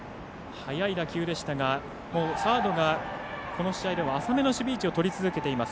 速い打球でしたがサードがこの試合では浅めの守備位置をとり続けています